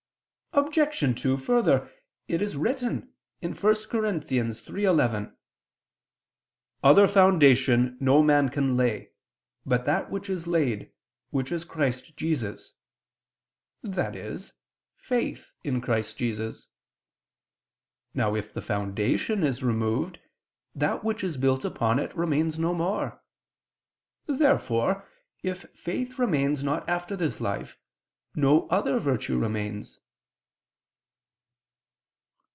Obj. 2: Further, it is written (1 Cor. 3:11): "Other foundation no man can lay, but that which is laid; which is Christ Jesus," i.e. faith in Jesus Christ. Now if the foundation is removed, that which is built upon it remains no more. Therefore, if faith remains not after this life, no other virtue remains.